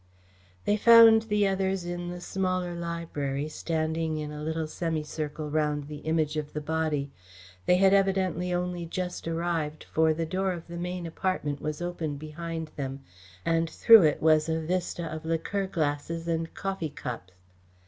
They found the others in the smaller library, standing in a little semicircle round the Image of the Body. They had evidently only just arrived, for the door of the main apartment was open behind them and through it was a vista of liqueur glasses and coffee cups.